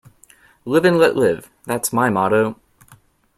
Live and let live, that's my motto.